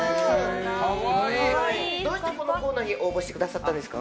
どうして、このコーナーに応募してくださったんですか。